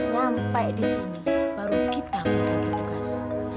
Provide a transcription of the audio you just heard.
sampai di sini baru kita menjaga tugas